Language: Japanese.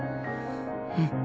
うん。